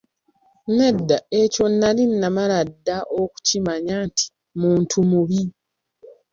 Nedda, ekyo nnali namala dda okukimanya nti muntu mubi.